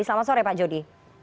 selamat sore pak jody